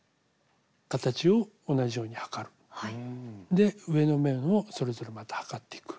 で上の面をそれぞれまた測っていく。